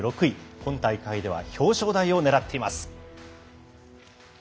今大会では表彰台を狙っています。